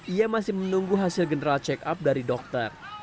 ia masih menunggu hasil general check up dari dokter